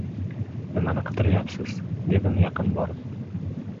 — Nimani qidiryapsiz? — dedim yaqin borib.